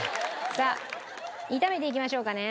さあ炒めていきましょうかね。